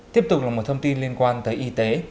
tiếp tục là một thông tin liên quan tới y tế